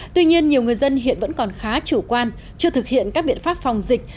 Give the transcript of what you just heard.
tuy nhiên nhiều người dân hiện vẫn còn khá chủ quan chưa thực hiện các biện pháp phòng dịch